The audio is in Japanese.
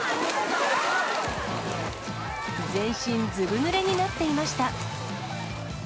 全身ずぶぬれになっていました。